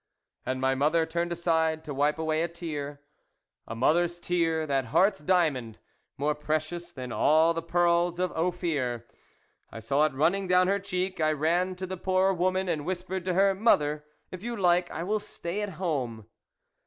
And my mother turned aside, to wipe away a tear. A mother's tear, that heart's diamond, more precious than all the pearls of Ophir ! I saw it running down her cheek. I ran to the poor woman, and whispered to her, " Mother, if you like, I will stay at home."